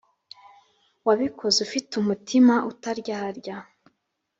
wabikoze ufite umutima utaryarya